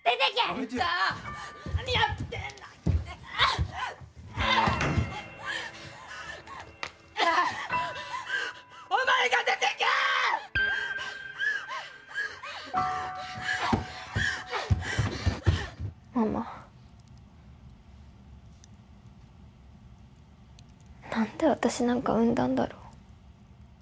ママ、何で私なんか産んだんだろう。